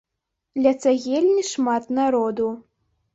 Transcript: Ля цагельні шмат народу.